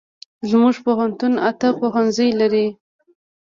زمونږ پوهنتون اته پوهنځي لري